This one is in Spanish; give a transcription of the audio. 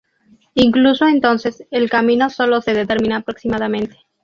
Incluso entonces, el camino sólo se determina aproximadamente.